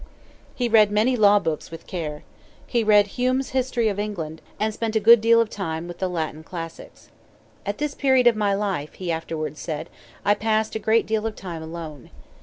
He read many law books with care. He read Hume's History of England, and spent a good deal of time with the Latin classics. "At this period of my life," he afterwards said, "I passed a great deal of time alone.